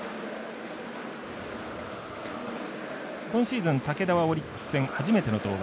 今シーズン武田は、オリックス戦初めての登板。